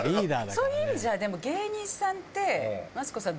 そういう意味じゃでも芸人さんって。